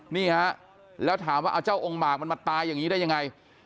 นี่ฮะแล้วถามว่าเอาเจ้าองค์หมากมันมาตายอย่างนี้ได้ยังไง